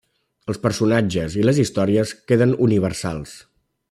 Els personatges i les històries queden universals.